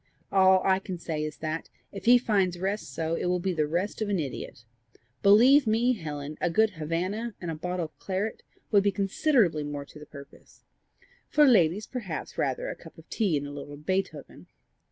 All I can say is that, if he find rest so, it will be the rest of an idiot! Believe me, Helen, a good Havannah and a bottle of claret would be considerably more to the purpose; for ladies, perhaps rather a cup of tea and a little Beethoven!"